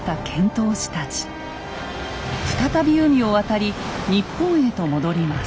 再び海を渡り日本へと戻ります。